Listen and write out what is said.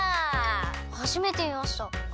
はじめてみました。